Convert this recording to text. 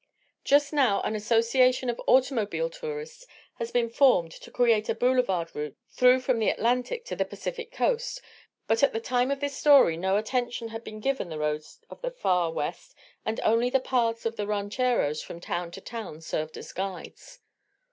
Just now an association of automobile tourists has been formed to create a boulevard route through from the Atlantic to the Pacific coast, but at the time of this story no attention had been given the roads of the far West and only the paths of the rancheros from town to town served as guides.